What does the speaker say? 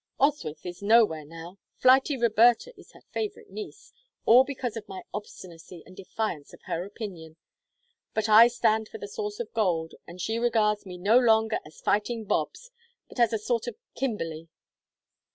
Oswyth is nowhere now; flighty Roberta is her favorite niece, all because of my obstinacy and defiance of her opinion! But I stand for the source of gold, and she regards me no longer as fighting 'Bobs,' but as a sort of Kimberley."